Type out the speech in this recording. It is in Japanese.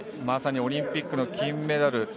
まさにオリンピックの金メダル